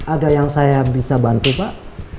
ada yang saya bisa bantu pak